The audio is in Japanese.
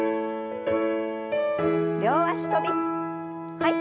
はい。